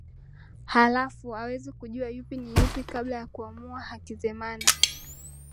Halafu aweze kujua yupi ni yupi kabla ya kumuua Hakizemana